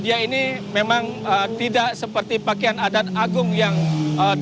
dan pakaian adat madia ini memang tidak seperti pakaian adat agung yang lain